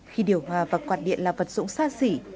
khi điều hòa và quạt điện là vật dụng xa xỉ